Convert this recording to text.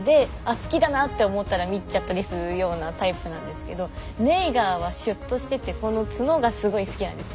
好きだなって思ったら見ちゃったりするようなタイプなんですけどネイガーはシュッとしててこの角がすごい好きなんです。